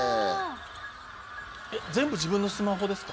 全部自分のスマホですか？